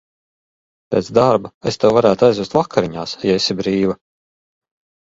Pēc darba es tevi varētu aizvest vakariņās, ja esi brīva.